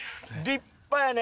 立派やね。